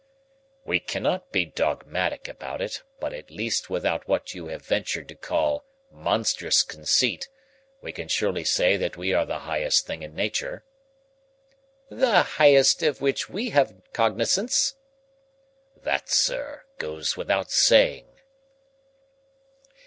"We cannot be dogmatic about it, but at least without what you have ventured to call monstrous conceit we can surely say that we are the highest thing in nature." "The highest of which we have cognizance." "That, sir, goes without saying."